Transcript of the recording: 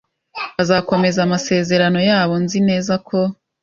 Bazakomeza amasezerano yabo, nzi neza ko